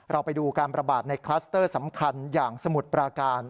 เราไปดูการประบาดในคลัสเตอร์สำคัญอย่างสมุทรปราการ